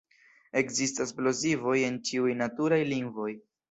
Ekzistas plozivoj en ĉiuj naturaj lingvoj.